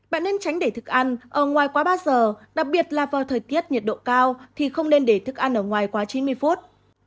bạn nên tránh để thực ăn ở ngoài quá ba giờ đặc biệt là vào thời tiết nhiệt độ cao thì không nên để thức ăn ở ngoài quá chín mươi phút